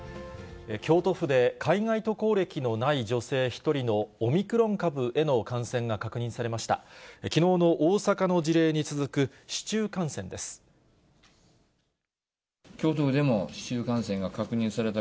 京都府で海外渡航歴のない女性１人のオミクロン株への感染が確認されました。